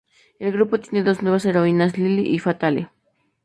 El grupo tiene dos nuevas heroínas, Lily y Fatale.